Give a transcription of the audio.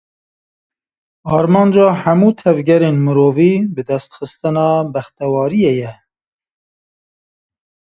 Armanca hemû tevgerên mirovî, bidestxistina bextewariyê ye.